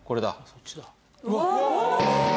そっちだ。